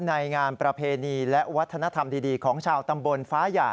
งานประเพณีและวัฒนธรรมดีของชาวตำบลฟ้าหย่า